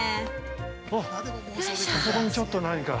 ◆あそこにちょっと何か。